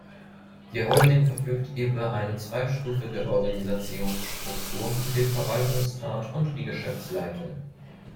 Die Holding verfügt über eine zweistufige Organisationsstruktur, den Verwaltungsrat und die Geschäftsleitung.